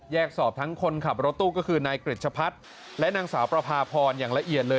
สอบทั้งคนขับรถตู้ก็คือนายกริจชะพัฒน์และนางสาวประพาพรอย่างละเอียดเลย